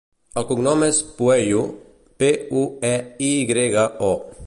El cognom és Pueyo: pe, u, e, i grega, o.